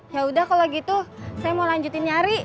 yaudah kalau gitu saya mau lanjutin nyari